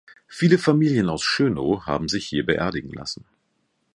Viele Familien aus Schönow haben sich hier beerdigen lassen.